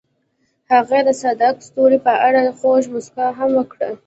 هغې د صادق ستوري په اړه خوږه موسکا هم وکړه.